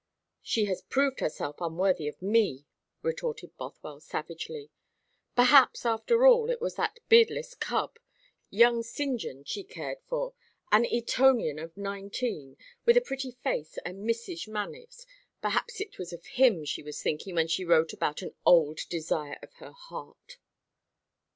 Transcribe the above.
"She has proved herself unworthy of me," retorted Bothwell savagely. "Perhaps, after all, it was that beardless cub, young St. John, she cared for an Etonian of nineteen, with a pretty face and missish manners. Perhaps it was of him she was thinking when she wrote about an old desire of her heart."